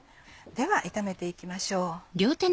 では炒めて行きましょう。